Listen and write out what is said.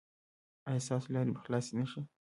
ایا ستاسو لارې به خلاصې نه شي؟